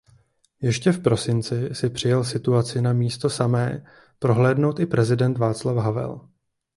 Ještě v prosinci si přijel situaci na místo samé prohlédnout i prezident Václav Havel.